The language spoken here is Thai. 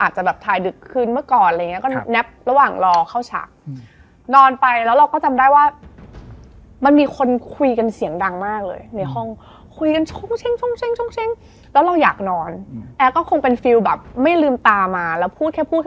เหมือนเขาก็เขาคงสวดมนตร์แล้วก็ส่งบุญให้เราตอนหลัง